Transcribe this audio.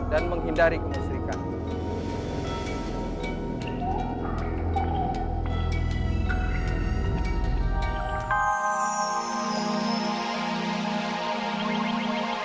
dan menghindari kemusrikan